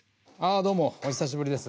どうもお久しぶりです